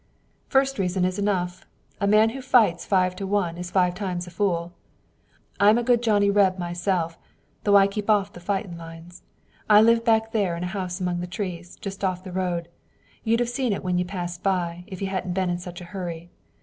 "First reason is enough. A man who fights five to one is five times a fool. I'm a good Johnny Reb myself, though I keep off the fightin' lines. I live back there in a house among the trees, just off the road. You'd have seen it when you passed by, if you hadn't been in such a hurry.